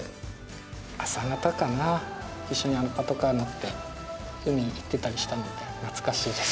朝方かな一緒にパトカー乗って海行ってたりしたので懐かしいです。